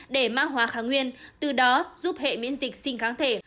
để mắc hóa kháng nguyên từ đó giúp hệ miễn dịch sinh kháng thể